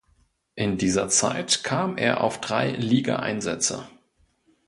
In dieser Zeit kam er auf drei Ligaeinsätze.